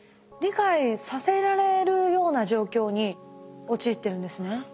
理解させられるような状況に陥ってるんですね。